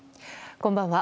こんばんは。